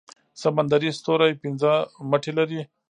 سمندري ستوری پنځه مټې لري